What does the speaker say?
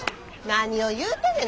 何を言うてんねんな！